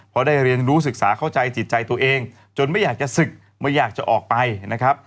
เพราะได้เรียนรู้ศึกษาเข้าใจจิตใจตัวเองจนไม่อยากจะศึกไม่อยากจะออกไปนะครับ